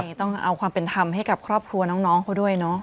ต้องเอาความเป็นธรรมให้กับครอบครัวน้องเขาด้วยเนาะ